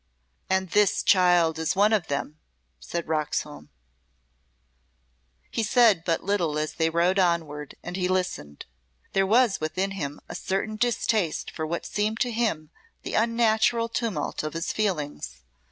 "And this child is one of them!" said Roxholm. He said but little as they rode onward and he listened. There was within him a certain distaste for what seemed to him the unnatural tumult of his feelings.